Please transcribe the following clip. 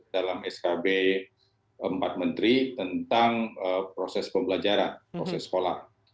dalam skb empat menteri tentang proses pembelajaran proses sekolah